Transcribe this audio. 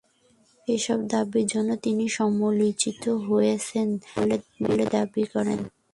এসব দাবির জন্য তিনি সমালোচিত হয়েছেন বলে দাবি করেন।